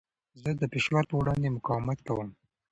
زه د فشار په وړاندې مقاومت کوم.